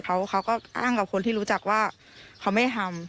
เขาก็อ้างกับคนที่รู้จักว่าเขาไม่ทำ